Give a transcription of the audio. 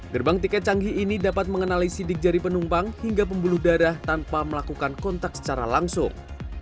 gerbang tiket canggih ini dapat mengenali sidik jari penumpang hingga pembuluh darah tanpa melakukan kontak secara langsung